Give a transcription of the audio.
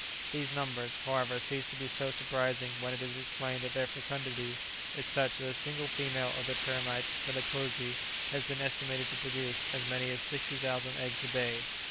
These numbers, however cease to be so surprising when it is explained that their fecundity is such that a single female of the termites bellicosi has been estimated to produce as many as sixty thousand eggs a day.